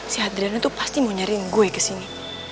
si adriana tuh pasti mau nyariin gue kesini